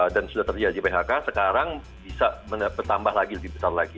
dan sudah terjadi phk sekarang bisa bertambah lagi lebih besar lagi